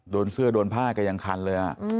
โดนเสื้อโดนผ้าก็ยังคันเลย